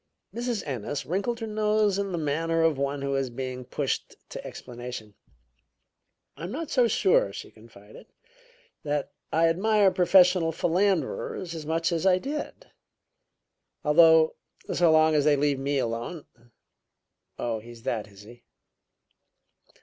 Mrs. Ennis wrinkled her nose in the manner of one who is being pushed to explanation. "I am not so sure," she confided, "that I admire professional philanderers as much as I did. Although, so long as they leave me alone " "Oh, he's that, is he?"